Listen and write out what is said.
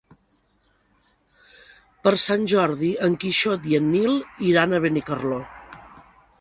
Per Sant Jordi en Quixot i en Nil iran a Benicarló.